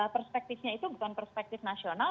perspektifnya itu bukan perspektif nasional